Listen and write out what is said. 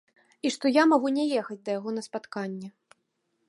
І што я магу не ехаць да яго на спатканне.